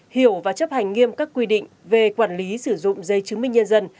hiểu và chấp hành nghiêm các quy định về quản lý sử dụng dây chứng minh nhân dân